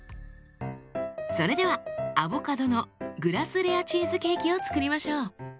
それではアボカドのグラスレアチーズケーキを作りましょう。